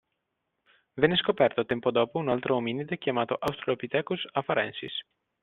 Venne scoperto tempo dopo un altro ominide chiamato Australopithecus Afarensis.